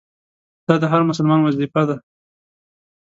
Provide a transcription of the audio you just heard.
دا د هر مسلمان وظیفه ده.